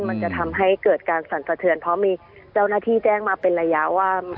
มันจะทำให้เกิดการสั่นสะเทือนเพราะมีเจ้าหน้าที่แจ้งมาเป็นระยะว่า